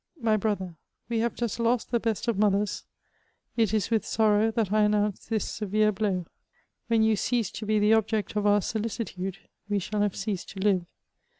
My brother, we have just lost the best of mothers ; it is with sorrow that I announce this severe blow. When you cease to be the object of our solicitude we shall have ceased to live.